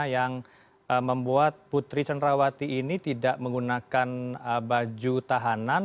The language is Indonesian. yang membuat putri cenrawati ini tidak menggunakan baju tahanan